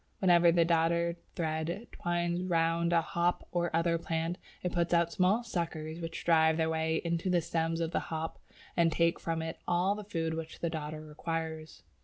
Wherever the Dodder thread twines round a hop or other plant, it puts out small suckers which drive their way into the stem of the hop and take from it all the food which the Dodder requires.